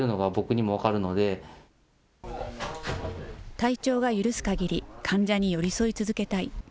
体調が許すかぎり患者に寄り添い続けたい。